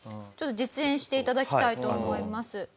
ちょっと実演して頂きたいと思います。